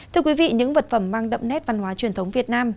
thưa quý vị những vật phẩm mang đậm nét văn hóa truyền thống việt nam